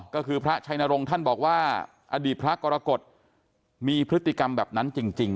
ก็คือพระชัยนรงค์ท่านบอกว่าอดีตพระกรกฎมีพฤติกรรมแบบนั้นจริง